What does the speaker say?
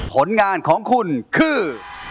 ผลงานของคุณคือ